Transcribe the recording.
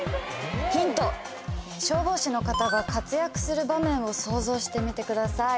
ヒント消防士の方が活躍する場面を想像してみてください